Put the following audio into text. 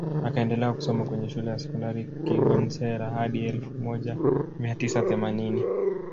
Akaendelea kusoma kwenye Shule ya Sekondari Kigonsera hadi elfu moja mia tisa themanini